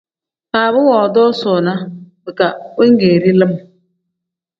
Baaba woodoo soona bika wengeeri lim.